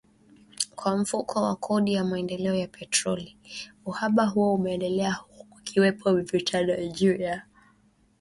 Kwa Mfuko wa Kodi ya Maendeleo ya Petroli, uhaba huo umeendelea huku kukiwepo mivutano juu ya kiwango ambacho serikali inatakiwa kuyalipa makampuni ya mafuta